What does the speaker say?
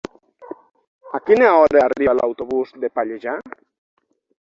A quina hora arriba l'autobús de Pallejà?